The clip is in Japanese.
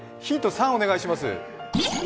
３お願いします。